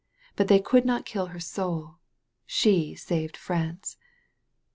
But they could not kill her soul. She saved France.